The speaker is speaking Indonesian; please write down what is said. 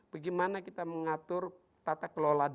bagaimana kita mengatur tata kelola data kita